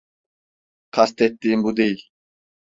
Kastettiğim bu değil.